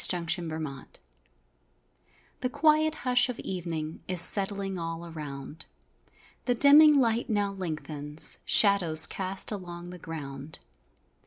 DYING OF A DAY The quiet hush of evening Is settling all around, The dimming light now lengthens Shadows cast along the ground.